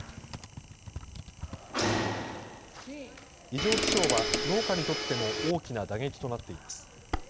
異常気象は農家にとっても大きな打撃となっています。